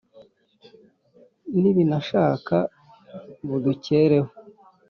Nibinashaka budukereho.